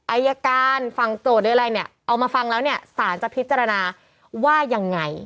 อายการฝั่งโจทย์หรืออะไรเนี่ยเอามาฟังแล้วเนี่ยสารจะพิจารณาว่ายังไง